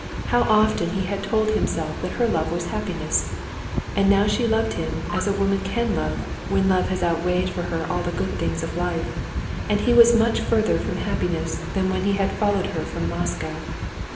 How often he had told himself that her love was happiness; and now she loved him as a woman can love when love has outweighed for her all the good things of life—and he was much further from happiness than when he had followed her from Moscow.